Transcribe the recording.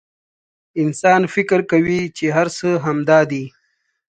انسان فکر کوي چې هر څه همدا دي.